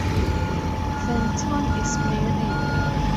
Fenton is married.